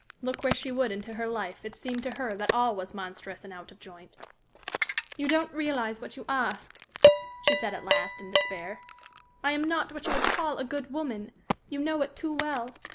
Look where she would into her life, it seemed to her that all was monstrous and out of joint. "You don't realize what you ask," she said, at last, in despair. "I am not what you call a good woman you know it too well.